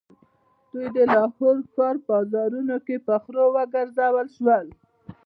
دوی د لاهور ښار په بازارونو کې په خرو وګرځول شول.